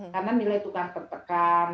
karena nilai tukang tertekan